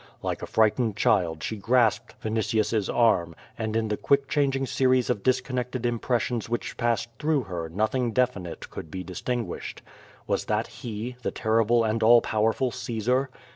Like a frightened child she grasped Vinitius's arm, and in the quick changing series of discon nected impressions which passed through her nothing definite could be distinguished. Was that he, the terrible and all powerful Caesar?